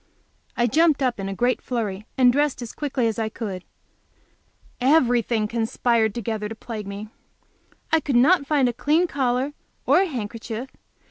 I jumped up in a great flurry and dressed as quickly as I could. Everything conspired together to plague me. I could not find a clean collar, or a handkerchief.